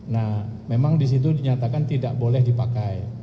nah memang di situ dinyatakan tidak boleh dipakai